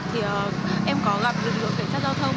thì em có gặp lực lượng cảnh sát giao thông